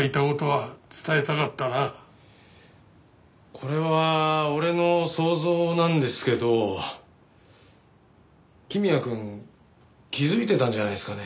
これは俺の想像なんですけど公也くん気づいてたんじゃないですかね？